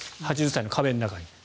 「８０歳の壁」の中に。